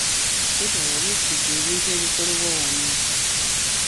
Juba yali ejjudde ebintu ebikolebwa wano.